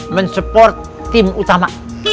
men support tim utama